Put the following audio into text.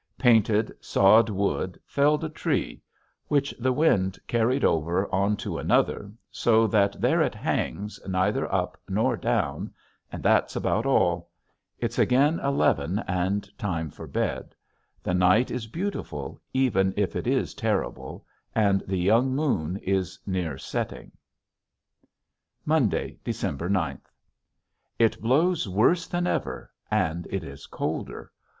painted, sawed wood, felled a tree which the wind carried over onto another so that there it hangs neither up nor down, and that's about all. It's again eleven and time for bed. The night is beautiful even if it is terrible; and the young moon is near setting. [Illustration: MAN] Monday, December ninth. It blows worse than ever, and it is colder.